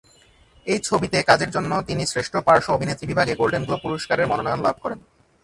এই ছবিতে কাজের জন্য তিনি শ্রেষ্ঠ পার্শ্ব অভিনেত্রী বিভাগে গোল্ডেন গ্লোব পুরস্কারের মনোনয়ন লাভ করেন।